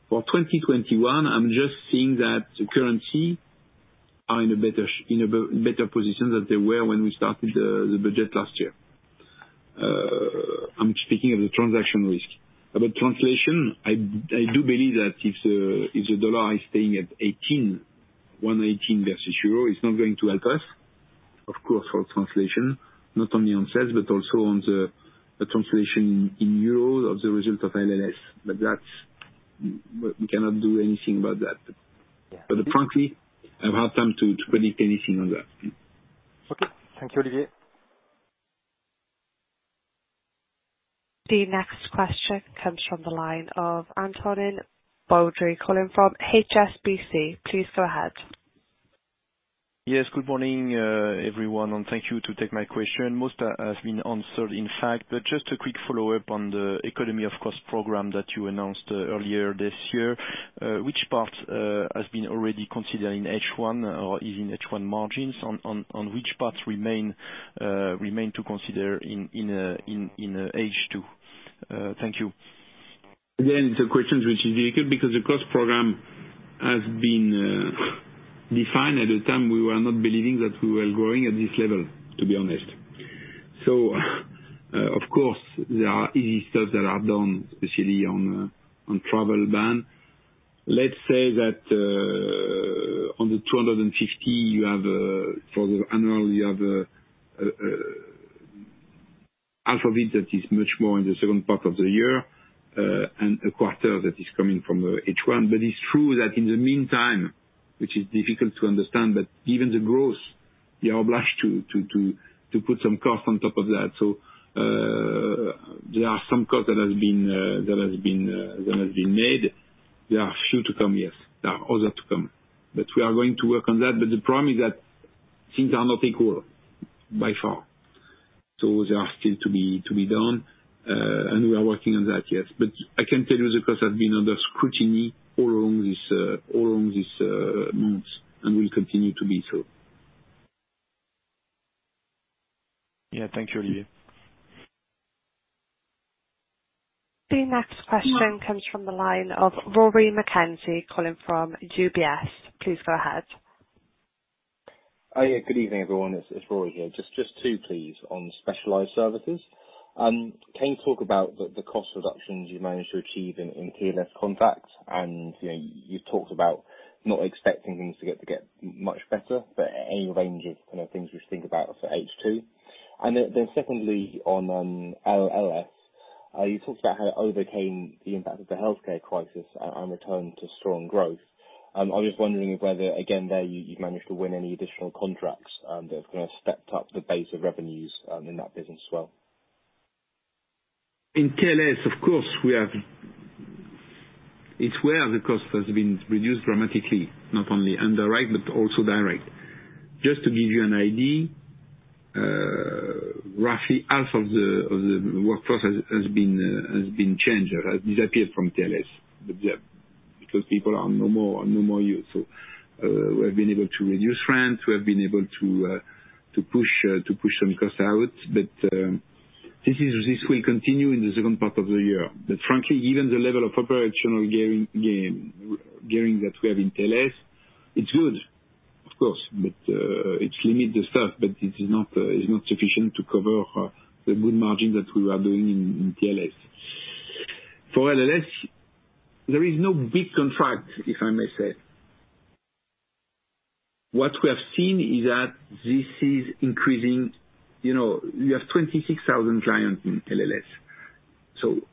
For 2021, I'm just seeing that the currency are in a better position than they were when we started the budget last year. I'm speaking of the transaction risk. About translation, I do believe that if the dollar is staying at 118 versus EUR, it's not going to help us, of course, for translation, not only on sales, but also on the translation in EUR of the result of LLS. We cannot do anything about that. Yeah. Frankly, a hard time to predict anything on that. Okay. Thank you, Olivier. The next question comes from the line of Antonin Baudry calling from HSBC. Please go ahead. Yes, good morning, everyone, and thank you to take my question. Most has been answered, in fact, but just a quick follow-up on the economy of cost program that you announced earlier this year. Which part has been already considered in H1 or is in H1 margins? Which parts remain to consider in H2? Thank you. It's a question which is difficult because the cost program has been defined at a time we were not believing that we were growing at this level, to be honest. Of course, there are easy stuff that are done, especially on travel ban. Let's say that on the 250, for the annual, you have half of it that is much more in the second part of the year, and a quarter that is coming from the H1. It's true that in the meantime, which is difficult to understand, but even the growth, you are obliged to put some cost on top of that. There are some cost that has been made. There are few to come, yes. There are other to come. We are going to work on that. The problem is that things are not equal, by far. They are still to be done, and we are working on that, yes. I can tell you the cost has been under scrutiny all along these months, and will continue to be so. Yeah. Thank you, Olivier. The next question comes from the line of Rory McKenzie calling from UBS. Please go ahead. Good evening, everyone. It's Rory here. Just two, please. On specialized services, can you talk about the cost reductions you've managed to achieve in TLScontact? You've talked about not expecting things to get much better, but any range of things you think about for H2? Secondly, on LLS. You talked about how it overcame the impact of the healthcare crisis on return to strong growth. I'm just wondering if whether, again there, you've managed to win any additional contracts that have stepped up the base of revenues in that business as well. In TLS, of course we have. It's where the cost has been reduced dramatically, not only underwrite but also direct. Just to give you an idea, roughly half of the workforce has been changed or has disappeared from TLS. Because people are no more use. We have been able to reduce rent, we have been able to push some costs out. This will continue in the second part of the year. Frankly, even the level of operational gearing that we have in TLS, it's good, of course, but it limits the stuff. It's not sufficient to cover the good margin that we are doing in TLS. For LLS, there is no big contract, if I may say. What we have seen is that this is increasing. We have 26,000 clients in LLS.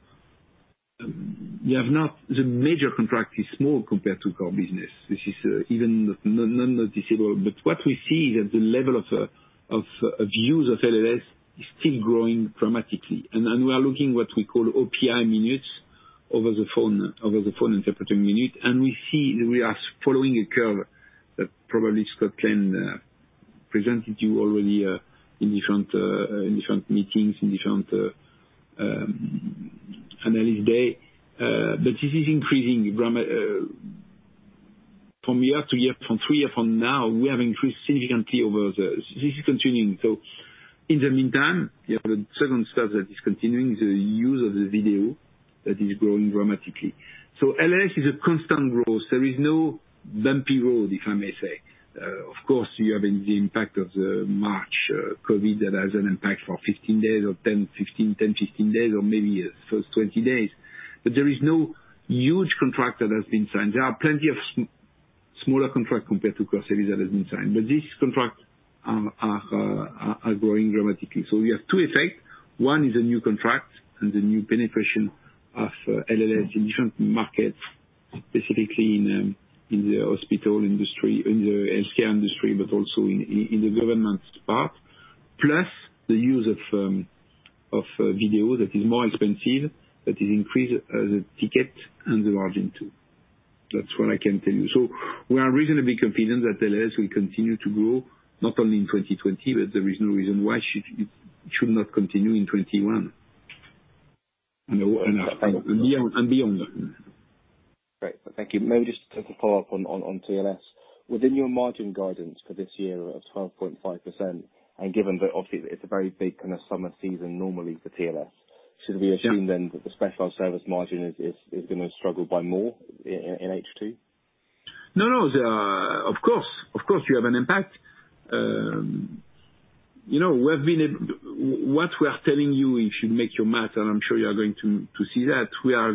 The major contract is small compared to core business. This is even non-noticeable. What we see is that the level of use of LLS is still growing dramatically. We are looking what we call OPI minutes over the phone interpreting units, and we see that we are following a curve that probably Scott Glenn presented you already in different meetings, in different analyst day. This is increasing dramatically from year-to-year. From three year from now, we have increased significantly over the. This is continuing. In the meantime, we have a second step that is continuing, the use of the video, that is growing dramatically. LLS is a constant growth. There is no bumpy road, if I may say. Of course, you have the impact of the March COVID that has an impact for 10-15 days or maybe first 20 days, but there is no huge contract that has been signed. There are plenty of smaller contracts compared to cost savings that have been signed, but these contracts are growing dramatically. We have two effects. One is a new contract and the new penetration of LLS in different markets, specifically in the hospital industry, in the healthcare industry, but also in the government part. Plus the use of video that is more expensive, that increase the ticket and the margin, too. That's what I can tell you. We are reasonably confident that LLS will continue to grow, not only in 2020, but there is no reason why it should not continue in 2021. Okay. Beyond that. Great. Thank you. Just a follow-up on TLScontact. Within your margin guidance for this year of 12.5%, and given that obviously it's a very big kind of summer season normally for TLScontact. Yeah Should we assume then that the specialized service margin is going to struggle by more in H2? No. Of course you have an impact. What we are telling you should make your math, and I am sure you are going to see that. We are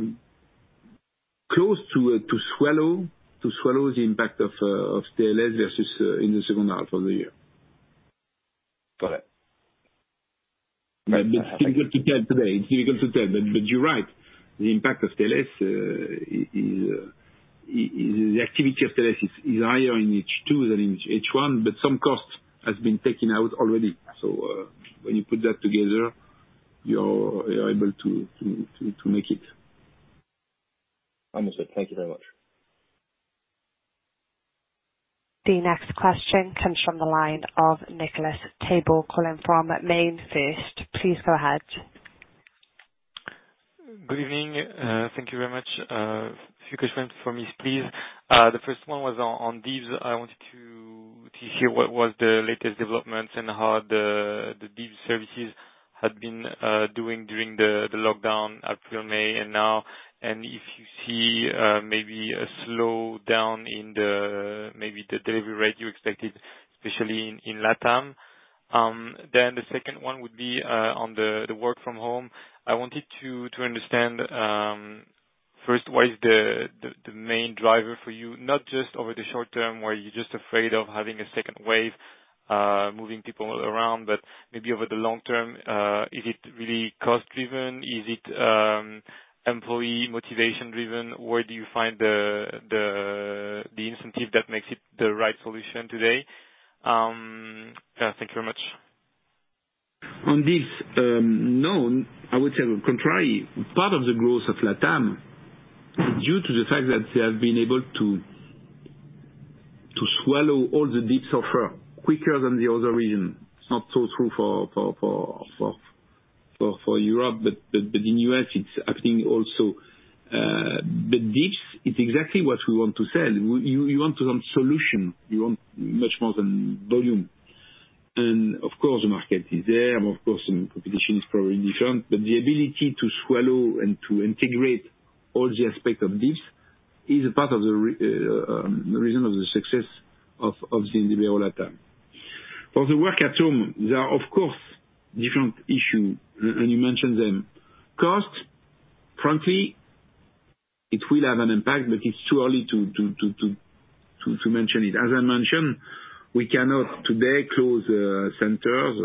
close to swallow the impact of TLScontact versus in the second half of the year. Got it. Thank you. It's difficult to tell today. It's difficult to tell. You're right. The impact of TLS, the activity of TLS is higher in H2 than in H1, but some cost has been taken out already. When you put that together, you are able to make it. Understood. Thank you very much. The next question comes from the line of Nicolas Tabor calling from MainFirst. Please go ahead. Good evening. Thank you very much. Few questions from me, please. The first one was on D.I.B.S. I wanted to hear what was the latest developments and how the D.I.B.S. services had been doing during the lockdown April, May, and now. If you see maybe a slowdown in the delivery rate you expected, especially in LATAM. The second one would be on the work from home. I wanted to understand, first, what is the main driver for you, not just over the short term, were you just afraid of having a second wave, moving people around, but maybe over the long term, is it really cost driven? Is it employee motivation driven? Where do you find the incentive that makes it the right solution today? Thank you very much. On this, no. I would say on contrary, part of the growth of LATAM is due to the fact that they have been able to swallow all the D.I.B.S. offer quicker than the other region. It's not so true for Europe, but in U.S. it's happening also. D.I.B.S. is exactly what we want to sell. You want some solution. You want much more than volume. Of course, the market is there, and of course, competition is probably different, but the ability to swallow and to integrate all the aspects of this is a part of the reason of the success of the delivery all time. For the work at home, there are, of course, different issue, and you mentioned them. Cost, frankly, it will have an impact, but it's too early to mention it. As I mentioned, we cannot today close centers.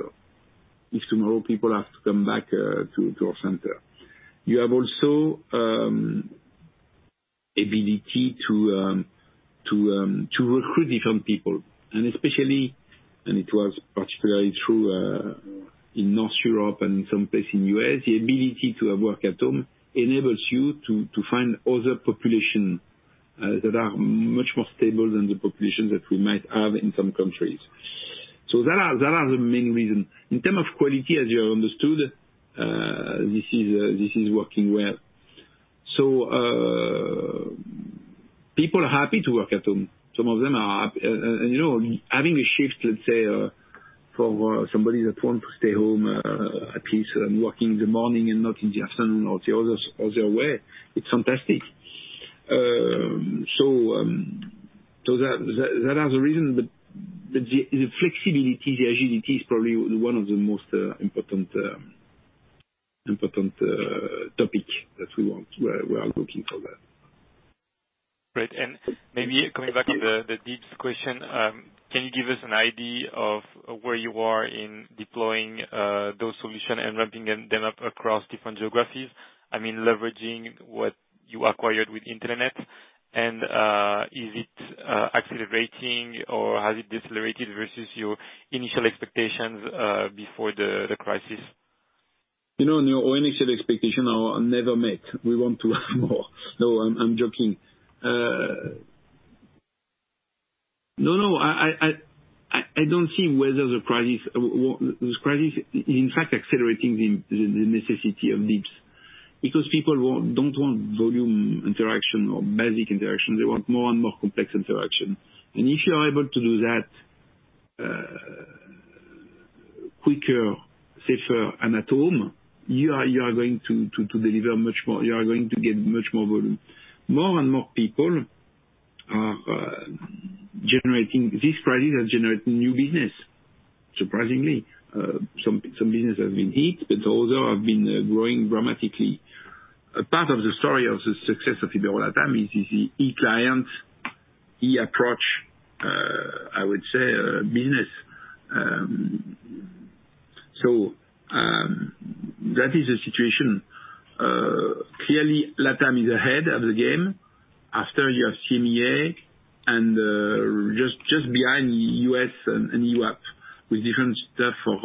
If tomorrow people have to come back to our center. You have also ability to recruit different people, and especially, and it was particularly true in North Europe and in some place in the U.S., the ability to have work at home enables you to find other population that are much more stable than the population that we might have in some countries. That are the main reason. In terms of quality, as you have understood, this is working well. People are happy to work at home. Some of them are having a shift, let's say, for somebody that want to stay home at peace and working in the morning and not in the afternoon or the other way, it's fantastic. That are the reason. The flexibility, the agility is probably one of the most important topic that we are working for that. Great. Maybe coming back to the D.I.B.S. question, can you give us an idea of where you are in deploying those solution and ramping them up across different geographies? I mean, leveraging what you acquired with Intelenet, and is it accelerating or has it decelerated versus your initial expectations before the crisis? Any set expectation are never met. We want to have more. No, I'm joking. This crisis, in fact, accelerating the necessity of D.I.B.S., because people don't want volume interaction or basic interaction. They want more and more complex interaction. If you are able to do that quicker, safer and at home, you are going to deliver much more. You are going to get much more volume. This crisis has generated new business, surprisingly. Some business has been hit, but other have been growing dramatically. Part of the story of the success of Ibero-LATAM is the e-client, e-approach, I would say, business. That is the situation. Clearly, LATAM is ahead of the game after you have CMEA and just behind U.S. and Europe, with different stuff for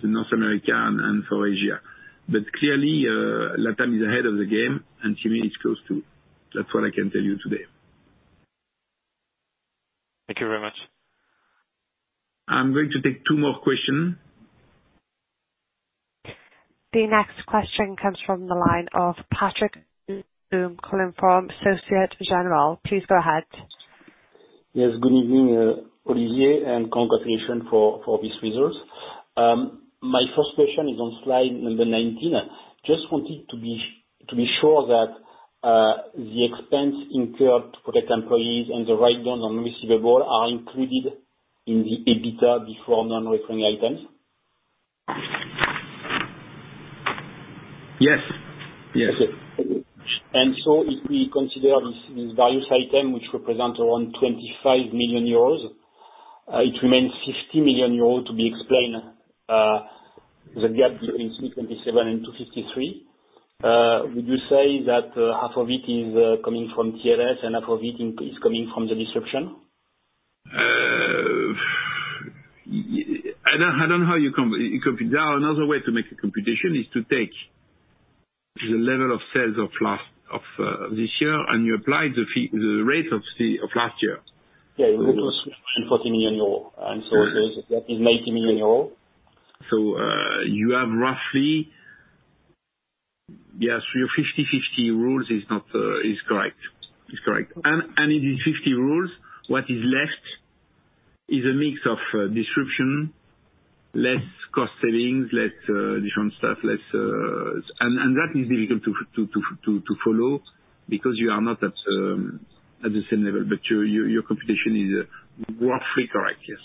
the North America and for Asia. Clearly, LATAM is ahead of the game and CMEA is close, too. That is what I can tell you today. Thank you very much. I'm going to take two more question. The next question comes from the line of Patrick Jousseaume, calling from Societe Generale. Please go ahead. Yes. Good evening, Olivier, congratulations for these results. My first question is on slide number 19. Just wanted to be sure that the expense incurred to protect employees and the write-down on receivable are included in the EBITDA before non-recurring items. Yes. Okay. If we consider this various item, which represent around 25 million euros, it remains 50 million euros to be explained, the gap between $327 million and $253 million. Would you say that half of it is coming from TLS and half of it is coming from the disruption? I don't know how you compute. Another way to make a computation is to take the level of sales of this year, and you apply the rate of last year. Yeah. It was 40 million euro. The gap is 80 million euro. You have roughly Yes, your 50/50 rules is correct. In the 50 rules, what is left is a mix of disruption, less cost savings, less different stuff. That is difficult to follow, because you are not at the same level. Your computation is roughly correct, yes.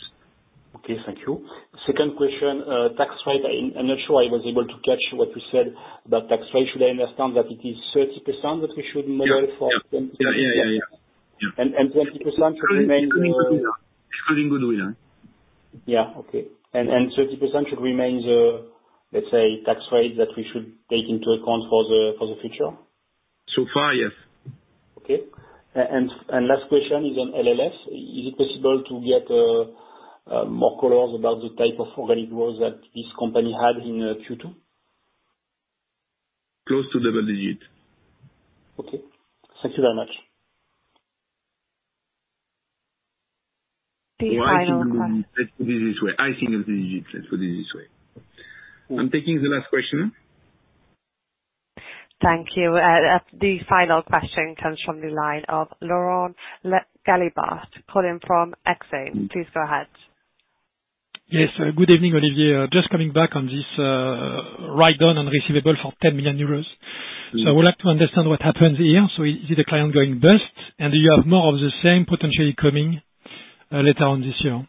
Okay, thank you. Second question. Tax rate, I'm not sure I was able to catch what you said about tax rate. Should I understand that it is 30% that we should model for? Yeah. 20% should remain-. It's coming good here. Yeah. Okay. 30% should remain the, let's say, tax rate that we should take into account for the future? Far, yes. Okay. Last question is on LLS. Is it possible to get more colors about the type of organic growth that this company had in Q2? Close to double digit. Okay. Thank you very much. The final- I can do this. Let's put it this way. I think it will be, let's put it this way. I am taking the last question. Thank you. The final question comes from the line of Laurent Gélébart, calling from Exane. Please go ahead. Yes. Good evening, Olivier. Just coming back on this write-down on receivable for 10 million euros. I would like to understand what happens here. Is it a client going bust, and do you have more of the same potentially coming later on this year?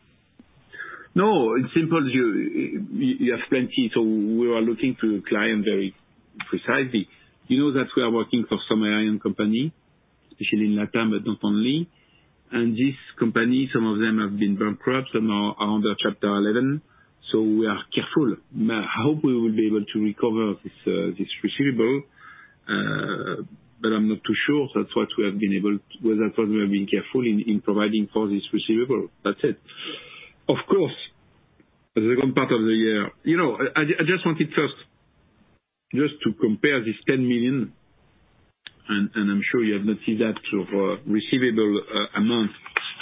No. It's simple. We have plenty, we are looking to client very precisely. You know that we are working for some airline company. Especially in Latin, but not only. This company, some of them have been bankrupt, some are under Chapter 11. We are careful. I hope we will be able to recover this receivable, but I'm not too sure. That's why we have been careful in providing for this receivable. That's it. Of course, the second part of the year. I just wanted first, just to compare this 10 million, and I'm sure you have not seen that receivable amount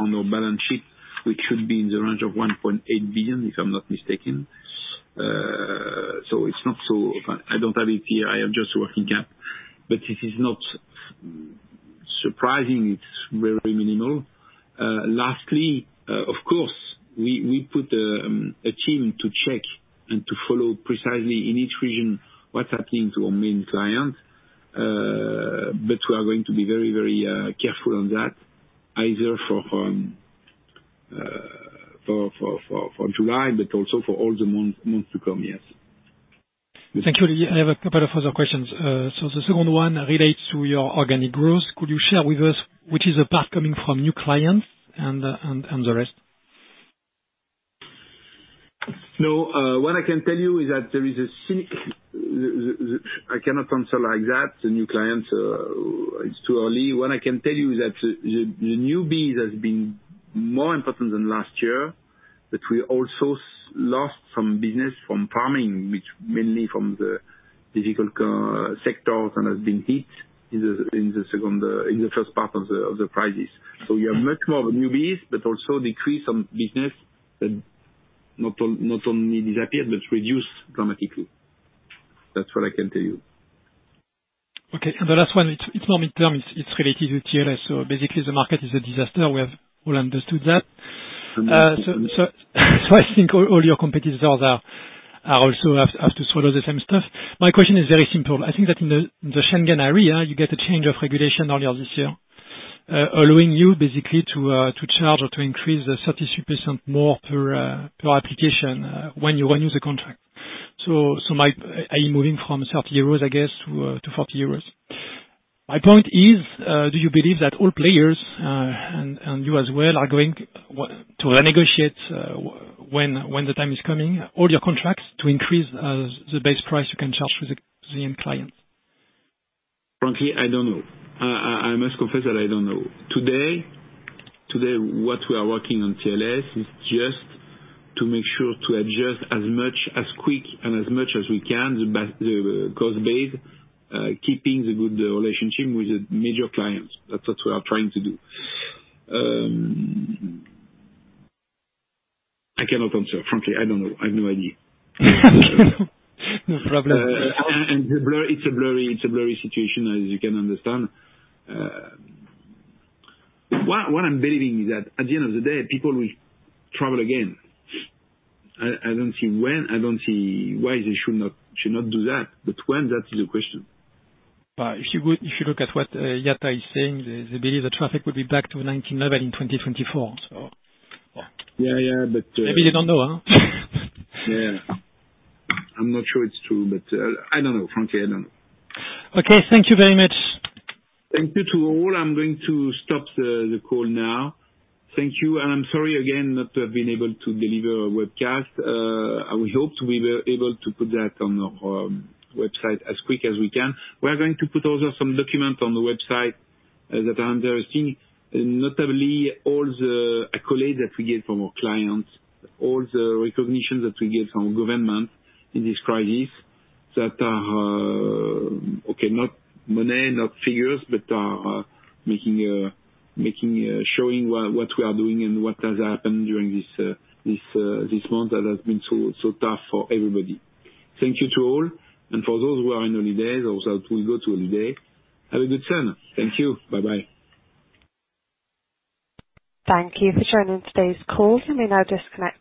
on our balance sheet, which should be in the range of 1.8 billion, if I'm not mistaken. It's not so I don't have it here, I am just working gap, but this is not surprising. It's very minimal. Lastly, of course, we put a team to check and to follow precisely in each region what's happening to our main clients. We are going to be very careful on that, either for July, but also for all the months to come, yes. Thank you. I have a couple of further questions. The second one relates to your organic growth. Could you share with us which is a part coming from new clients and the rest? No, what I can tell you is that I cannot answer like that, the new clients. It's too early. What I can tell you is that the new biz has been more important than last year, but we also lost some business from farming, which mainly from the difficult sectors, and has been hit in the first part of the crisis. We have much more of a new biz, but also decrease on business, that not only disappeared, but reduced dramatically. That's what I can tell you. Okay. The last one, it's more midterm. It's related to TLS. Basically, the market is a disaster. We have all understood that. I think all your competitors are also have to swallow the same stuff. My question is very simple. I think that in the Schengen Area, you get a change of regulation earlier this year, allowing you basically to charge or to increase 30% more per application when you renew the contract. Are you moving from 30 euros, I guess, to 40 euros? My point is, do you believe that all players, and you as well, are going to renegotiate, when the time is coming, all your contracts to increase the base price you can charge for the end client? Frankly, I don't know. I must confess that I don't know. Today, what we are working on TLS is just to make sure to adjust as quick and as much as we can, the cost base, keeping the good relationship with the major clients. That's what we are trying to do. I cannot answer, frankly, I don't know. I have no idea. No problem. It's a blurry situation, as you can understand. What I'm believing is that at the end of the day, people will travel again. I don't see when, I don't see why they should not do that. When, that is the question. If you look at what IATA is saying, they believe that traffic will be back to 2019 level in 2024, so. Yeah. Maybe they don't know, huh? Yeah. I'm not sure it's true, but I don't know. Frankly, I don't know. Okay, thank you very much. Thank you to all. I'm going to stop the call now. Thank you. I'm sorry again, not being able to deliver a webcast. I would hope we were able to put that on our website as quick as we can. We are going to put also some documents on the website that are interesting, notably all the accolades that we get from our clients, all the recognition that we get from government in this crisis. That are not money, not figures, but showing what we are doing and what has happened during this month that has been so tough for everybody. Thank you to all. For those who are on holidays or that will go to holiday, have a good summer. Thank you. Bye-bye. Thank you for joining today's call. You may now disconnect.